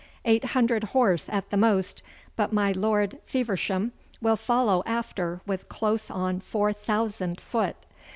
'Eight hundred horse at the most, but my Lord Feversham will follow after with close on four thousand foot.